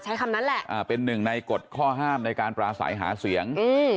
คำนั้นแหละเป็นหนึ่งในกฎข้อห้ามในการปราศัยหาเสียง